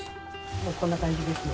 こんな感じですね。